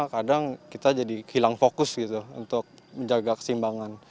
kadang kita jadi hilang fokus gitu untuk menjaga kesimbangan